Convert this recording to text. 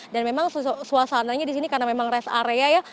dan memang suasananya di sini karena memang res area ya